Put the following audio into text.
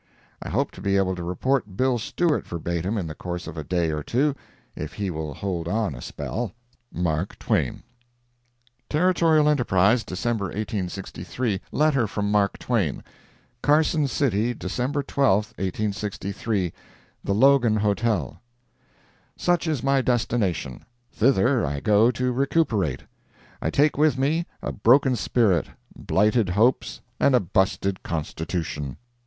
I hope to be able to report Bill Stewart verbatim in the course of a day or two, if he will hold on a spell. MARK TWAIN Territorial Enterprise, December 1863 LETTER FROM MARK TWAIN Carson City, December 12, 1863 THE LOGAN HOTEL Such is my destination. Thither I go to recuperate. I take with me a broken spirit, blighted hopes and a busted constitution.